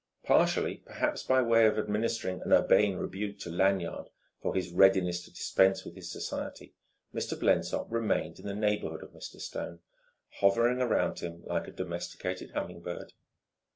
Partially, perhaps, by way of administering an urbane rebuke to Lanyard for his readiness to dispense with his society, Mr. Blensop remained in the neighbourhood of Mr. Stone, hovering round him like a domesticated humming bird.